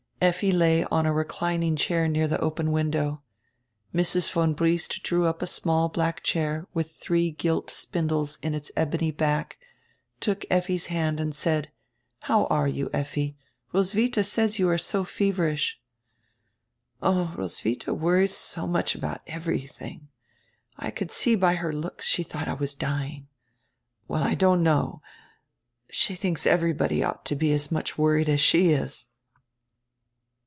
Effi lay on a reclin ing chair near the open window. Mrs. von Briest drew up a small black chair with three gilt spindles in its ebony back, took Lffi's hand and said: " How are you, Lffi? Ros witha says you are so feverish." "Oh, Roswitha worries so much about everything. I could see by her looks she thought I was dying. Well, I don't know. She thinks everybody ought to be as much worried as she is."